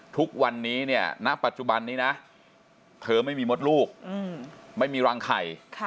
ทุกวันนี้เนี่ยณปัจจุบันนี้นะเธอไม่มีมดลูกไม่มีรังไข่